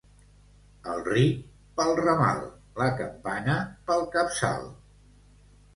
Al ric, pel ramal; la campana, pel capçal.